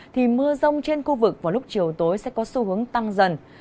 thì mưa rông trên khu vực vào lúc chiều tối sẽ có xu hướng tăng dần